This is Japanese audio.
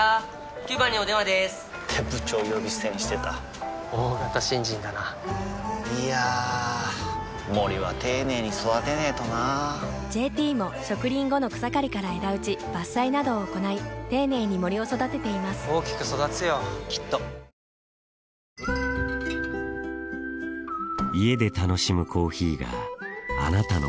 ９番にお電話でーす！って部長呼び捨てにしてた大型新人だないやー森は丁寧に育てないとな「ＪＴ」も植林後の草刈りから枝打ち伐採などを行い丁寧に森を育てています大きく育つよきっとトヨタイムズの富川悠太です